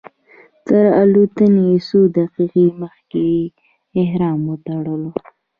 تر الوتنې څو دقیقې مخکې مې احرام وتړلو.